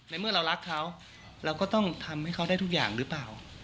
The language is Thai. เมื่อเรารักเขาเราก็ต้องทำให้เขาได้ทุกอย่างหรือเปล่า